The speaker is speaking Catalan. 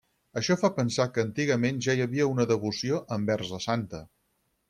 Això fa pensar que antigament ja hi havia una devoció envers la Santa.